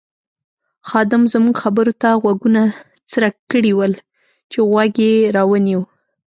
خادم زموږ خبرو ته غوږونه څرک کړي ول چې غوږ یې را ونیو.